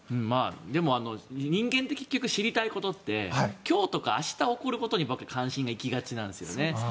でも人間って結局、知りたいことって今日とか明日起きることばかりに関心が行きがちなんですよね。